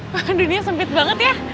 bahkan dunia sempit banget ya